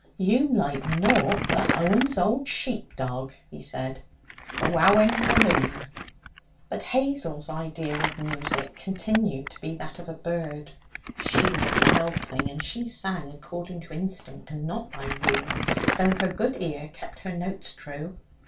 'You'm like nought but Owen's old sheep dog,' he said, 'wowing the moon!' But Hazel's idea of music continued to be that of a bird. She was a wild thing, and she sang according to instinct, and not by rule, though her good ear kept her notes true.